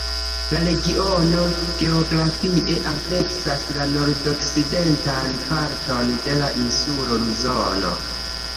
La regiono geografie ampleksas la nordokcidentan parton de la insulo Luzono.